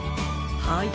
はい。